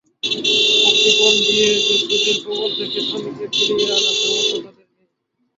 মুক্তিপণ দিয়ে দস্যুদের কবল থেকে স্বামীকে ফিরিয়ে আনার সামর্থ্য তাঁদের নেই।